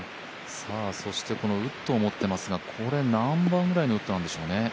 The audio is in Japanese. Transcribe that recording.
そしてこのウッドを持っていますが、何番ぐらいのウッドなんでしょうね？